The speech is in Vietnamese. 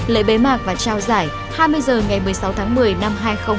lễ bế mạc và trao giải hai mươi h ngày một mươi sáu tháng một mươi năm hai nghìn hai mươi